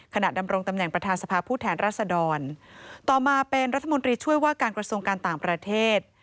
ดำรงตำแหน่งประธานสภาพผู้แทนรัศดรต่อมาเป็นรัฐมนตรีช่วยว่าการกระทรวงการต่างประเทศ